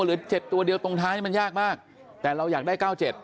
หรือ๗ตัวเดียวตรงท้ายมันยากมากแต่เราอยากได้๙๗